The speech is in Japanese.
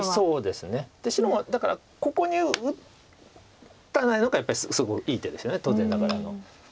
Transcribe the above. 白もだからここに打たないのがやっぱりすごいいい手ですよね当然ながらの。